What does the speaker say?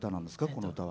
この歌は。